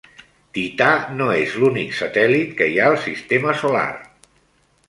Tità no és l'únic satèl·lit que hi ha al sistema solar.